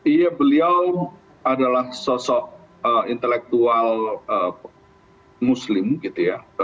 iya beliau adalah sosok intelektual muslim gitu ya